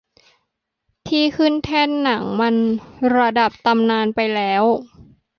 ที่ขึ้นแท่นหนังมันระดับตำนานไปแล้ว